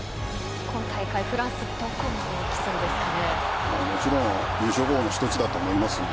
今大会、フランスどこまで行きそうですかね？